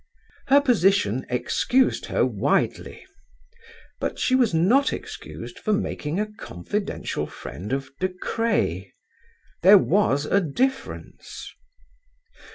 Her position excused her widely. But she was not excused for making a confidential friend of De Craye. There was a difference.